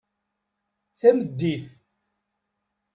Tameddit